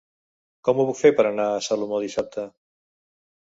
Com ho puc fer per anar a Salomó dissabte?